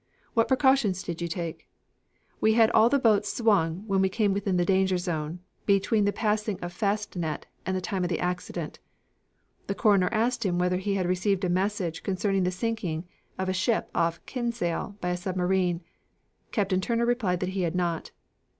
"What precautions did you take?" "We had all the boats swung when we came within the danger zone, between the passing of Fastnet and the time of the accident." The coroner asked him whether he had received a message concerning the sinking of a ship off Kinsale by a submarine. Captain Turner replied that he had not.